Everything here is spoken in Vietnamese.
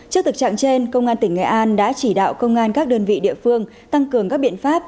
trước thực trạng trên công an tỉnh nghệ an đã chỉ đạo công an các đơn vị địa phương tăng cường các biện pháp